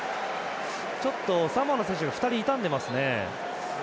ちょっとサモアの選手が２人痛んでますね。